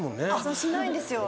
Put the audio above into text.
しないんですよ。